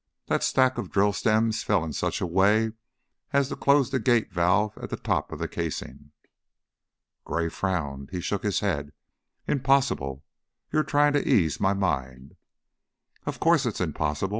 That stack of drill stems fell in such a way as to close the gate valve at the top of the casing." Gray frowned, he shook his head. "Impossible. You're trying to ease my mind." "Of course it's impossible.